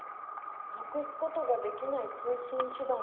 なくすことができない通信手段でもあるのね。